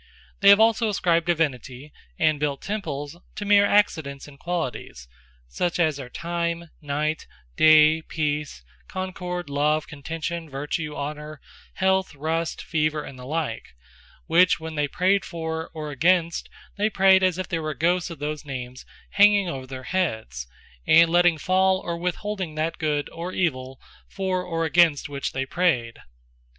They have also ascribed Divinity, and built Temples to meer Accidents, and Qualities; such as are Time, Night, Day, Peace, Concord, Love, Contention, Vertue, Honour, Health, Rust, Fever, and the like; which when they prayed for, or against, they prayed to, as if there were Ghosts of those names hanging over their heads, and letting fall, or withholding that Good, or Evill, for, or against which they prayed.